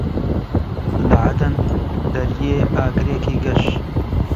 لە عەدەن دەریێ ئاگرێکی گەش